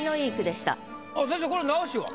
先生これ直しは？